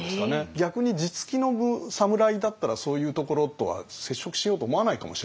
逆に地付きの侍だったらそういうところとは接触しようと思わないかもしれないですよね。